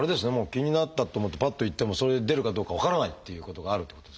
気になったと思ってぱっと行ってもそれで出るかどうか分からないっていうことがあるってことですね。